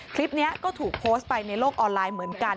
คลิปนี้ก็ถูกโพสต์ไปในโลกออนไลน์เหมือนกัน